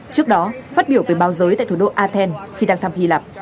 trước đó phát biểu về báo giới tại thủ đô athen khi đang thăm hy lạp